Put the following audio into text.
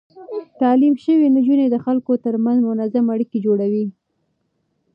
تعليم شوې نجونې د خلکو ترمنځ منظم اړيکې جوړوي.